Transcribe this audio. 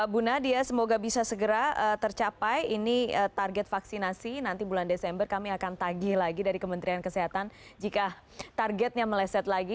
bu nadia semoga bisa segera tercapai ini target vaksinasi nanti bulan desember kami akan tagih lagi dari kementerian kesehatan jika targetnya meleset lagi